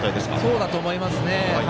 そうだと思います。